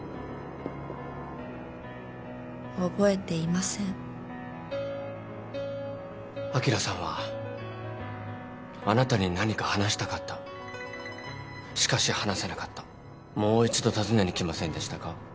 覚えていません昭さんはあなたに何か話したかったしかし話せなかったもう一度尋ねに来ませんでしたか？